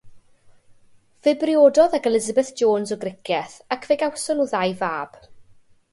Fe briododd ag Elizabeth Jones o Gricieth, ac fe gawson nhw ddau fab.